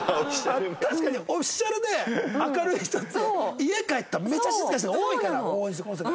確かにオフィシャルで明るい人って家帰ったらめっちゃ静かな人が多いからこの世界。